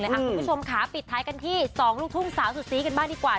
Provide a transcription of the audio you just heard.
คุณผู้ชมค่ะปิดท้ายกันที่๒ลูกทุ่งสาวสุดซีกันบ้างดีกว่า